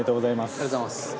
ありがとうございます。